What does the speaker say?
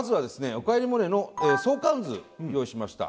「おかえりモネ」の相関図用意しました。